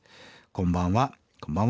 こんばんは。